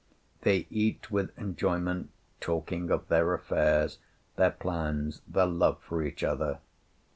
They eat with enjoyment, talking of their affairs, their plans, their love for each other.